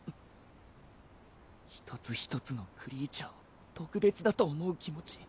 一つ一つのクリーチャーを特別だと思う気持ち。